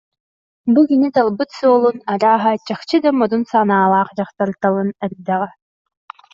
Бу кини талбыт суолун, арааһа, чахчы да модун санаалаах дьахтар талан эрдэҕэ